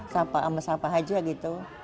sapa sama sapa aja gitu